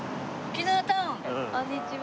こんにちは。